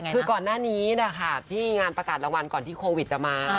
คือก่อนหน้านี้นะคะที่งานประกาศรางวัลก่อนที่โควิดจะมา